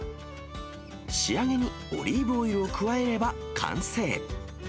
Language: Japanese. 仕上げにオリーブオイルを加えれば完成。